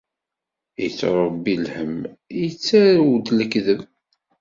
Ittṛebbi lhemm, ittarew-d lekdeb.